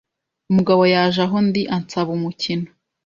Umugabo yaje aho ndi ansaba umukino.